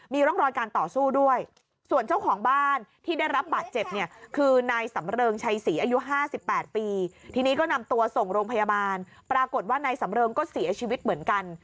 มีร่องรอยการต่อสู้ด้วยส่วนเจ้าของบ้านที่ได้รับบาดเจ็บเนี่ยคือนายสำเริงชัยศรีอายุ๕๘ปีทีนี้ก็นำตัวส่งโรงพยาบาลปรากฏว่านายสำเริงก็เสียชีวิตเหมือนกัน